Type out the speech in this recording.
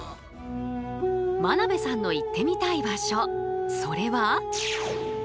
眞鍋さんの行ってみたい場所